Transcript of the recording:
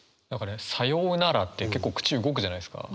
「さようなら」って結構口動くじゃないですか。